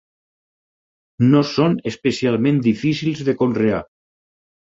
No són especialment difícils de conrear.